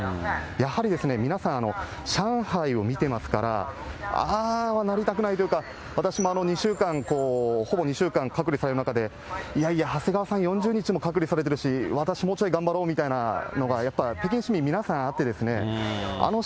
やはりですね、皆さん、上海を見てますから、ああはなりたくないというか、私も２週間、ほぼ２週間隔離される中で、いやいや、長谷川さん４０日も隔離されてるし、私もうちょい頑張ろうみたいのがやっぱり北京市民、皆さんあってですね、あの